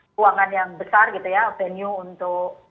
keuangan yang besar gitu ya venue untuk